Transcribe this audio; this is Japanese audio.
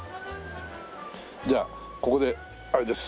じゃあここであれです。